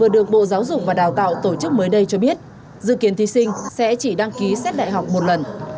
bộ giáo dục và đào tạo tổ chức mới đây cho biết dự kiến thí sinh sẽ chỉ đăng ký xét đại học một lần